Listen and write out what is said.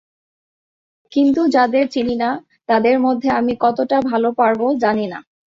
কিন্তু যাদের চিনি না, তাদের মধ্যে আমি কতটা ভালো পারব, জানি না।